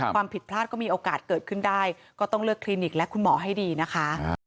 ความผิดพลาดก็มีโอกาสเกิดขึ้นได้ก็ต้องเลือกคลินิกและคุณหมอให้ดีนะคะ